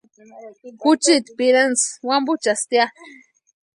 Juchiti pirentsï wampuchastia.